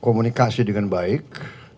komunikasi dengan baik